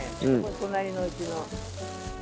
隣の家の。